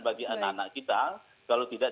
bagi anak anak kita kalau tidak